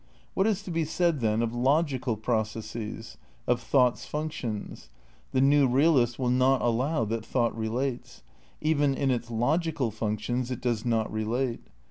What is to be said, then, of logical processes? Of thought's functions? The new realist will not allow that thought relates. Even in its logical functions it does not relate.